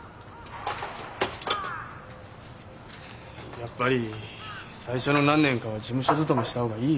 やっぱり最初の何年かは事務所勤めした方がいいよ。